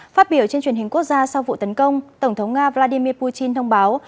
phát biểu trên truyền hình quốc gia sau vụ tấn công tổng thống nga vladimir putin thông báo